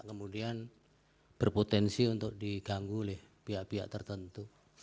kemudian berpotensi untuk diganggu oleh pihak pihak tertentu